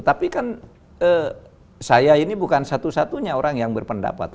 tapi kan saya ini bukan satu satunya orang yang berpendapat